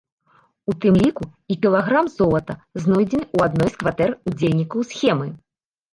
У тым ліку і кілаграм золата, знойдзены ў адной з кватэр удзельнікаў схемы.